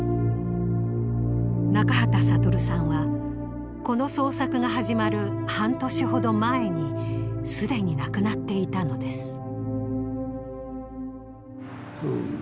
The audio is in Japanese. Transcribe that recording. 中畠悟さんはこの捜索が始まる半年ほど前に既に亡くなっていたのです。